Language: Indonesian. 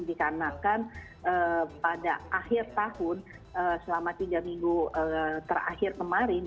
dikarenakan pada akhir tahun selama tiga minggu terakhir kemarin